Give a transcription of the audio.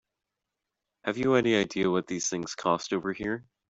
Have you any idea what these things cost over here?